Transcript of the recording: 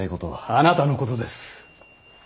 あなたのことです。